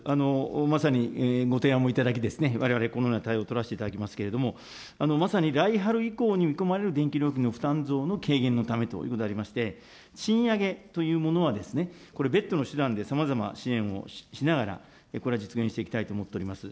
まさにご提案もいただき、われわれこのような対応取らせていただきますけれども、まさに来春以降に見込まれる電気料金の負担増の軽減のためということでありまして、賃上げというものは、これ、別途の手段でさまざまな支援をしながら、これは実現していきたいと思っております。